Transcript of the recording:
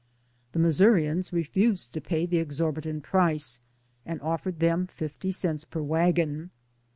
The Missourians refused to pay the ex orbitant price, and offered them fifty cents per wagon.